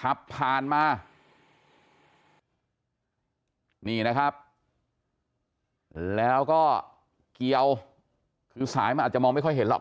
ขับผ่านมานี่นะครับแล้วก็เกี่ยวคือสายมันอาจจะมองไม่ค่อยเห็นหรอก